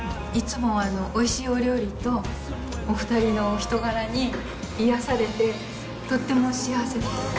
いつも、おいしいお料理と、お２人のお人柄に癒やされて、とっても幸せです。